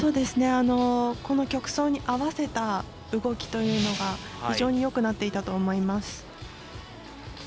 この曲調に合わせた動きというのが非常によくなっていたと思います。